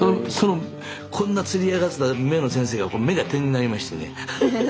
こんなつり上がってた目の先生が目が点になりましてね